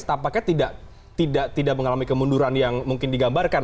tampaknya tidak mengalami kemunduran yang mungkin digambarkan